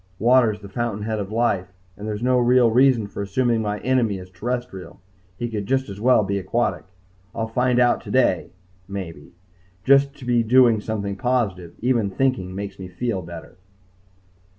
Water's the fountainhead of life, and there is no real reason for assuming my enemy is terrestrial. He could just as well be aquatic. I'll find out today maybe. Just to be doing something positive even thinking makes me feel better....